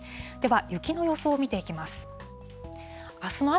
では、雪の予想を見ていきます。